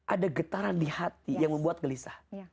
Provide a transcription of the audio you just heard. ada getaran di hati yang membuat gelisah